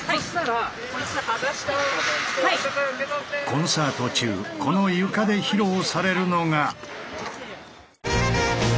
コンサート中この床で披露されるのが。